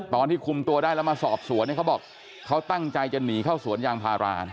ตอนที่คุมตัวได้แล้วมาสอบสวนเนี่ยเขาบอกเขาตั้งใจจะหนีเข้าสวนยางพารา